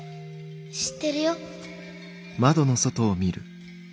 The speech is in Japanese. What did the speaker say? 知ってるよ。